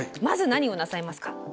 まず何をなさいますか？